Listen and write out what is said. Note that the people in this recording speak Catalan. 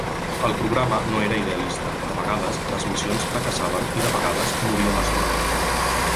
El programa no era idealista; de vegades les missions fracassaven i de vegades morien astronautes.